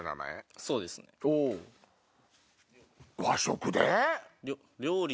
和食で？